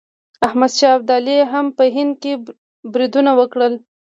احمد شاه ابدالي هم په هند بریدونه وکړل.